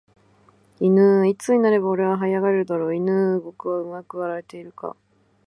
いぬーいつになれば俺は這い上がれるだろういぬー俺はうまく笑えているか